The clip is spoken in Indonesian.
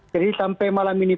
jadi sampai malam ini